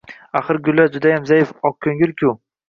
Axir, gullar judayam zaif, oqko‘ngil-ku.